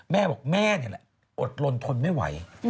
แม่บอกแม่นี่แหละอดลนทนไม่ไหว